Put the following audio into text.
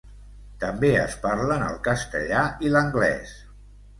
També es parlen el castellà i l'anglès.